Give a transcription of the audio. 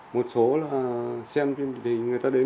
một số là xem thì người ta đến